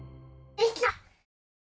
できた！